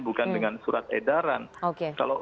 bukan dengan surat edaran kalau